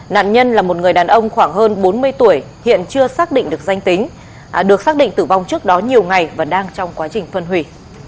nạn nhân là một người đàn ông khoảng hơn bốn mươi tuổi hiện chưa xác định được danh tính được xác định tử vong trước đó nhiều ngày và đang trong quá trình phân hủy